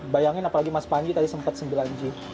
bayangin apalagi mas panji tadi sempat sembilan g